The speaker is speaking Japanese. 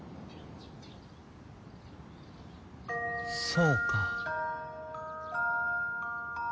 そうか。